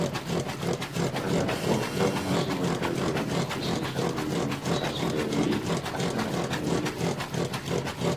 Horretarako, datu masiboen erabileran espezializatu diren enpresa hasiberriei hazten lagundu nahi diete.